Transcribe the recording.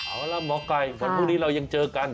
เอาละหมอไก่วันพรุ่งนี้เรายังเจอกัน